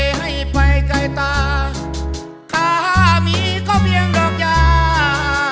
ใครให้ไปใกล้ตาข้ามีเขาเพียงดอกยา